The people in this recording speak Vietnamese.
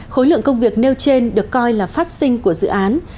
khối lượng công việc nêu trên được coi là phát sinh của dự án